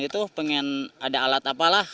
itu pengen ada alat apalah